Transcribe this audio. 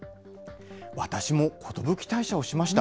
私も寿退社をしました。